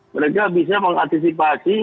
mereka bisa mengantisipasi